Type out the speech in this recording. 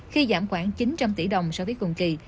khi giảm khoảng chín trăm linh tỷ đồng so với cùng kỳ